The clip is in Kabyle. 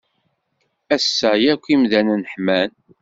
Ass-a yakk imdanen ḥman.